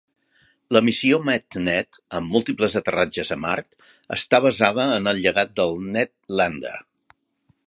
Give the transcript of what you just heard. La missió MetNet amb múltiples aterratges a Mart està basada en el llegat del NetLander.